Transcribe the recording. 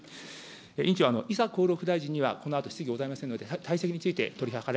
委員長、伊佐厚労副大臣には、このあと、質疑ございませんので、退席につ